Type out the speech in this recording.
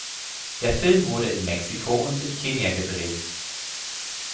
Der Film wurde in Mexiko und in Kenia gedreht.